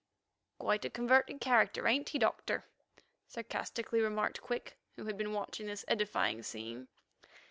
"Quite a converted character, ain't he, Doctor?" sarcastically remarked Quick, who had been watching this edifying scene.